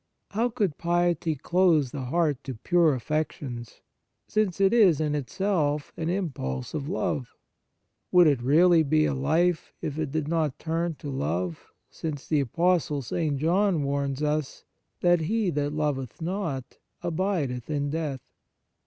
How could piety close the heart to pure affections, since it is in itself an impulse of love ? Would it really be a life if it did not turn to love, since the Apostle St. John warns us that " he that loveth not, abideth in death"?